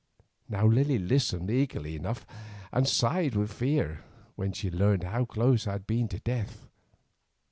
Now Lily listened eagerly enough, and sighed with fear when she learned how close I had been to death.